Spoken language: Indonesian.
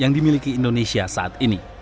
yang dimiliki indonesia saat ini